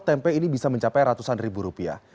tempe ini bisa mencapai ratusan ribu rupiah